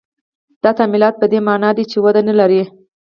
دا تمایلات په دې معنا نه دي چې وده نه لري.